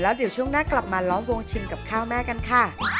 เดี๋ยวช่วงหน้ากลับมาล้อมวงชิมกับข้าวแม่กันค่ะ